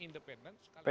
dengan seorang masiku